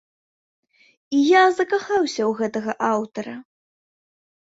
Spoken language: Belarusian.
І я закахаўся ў гэтага аўтара.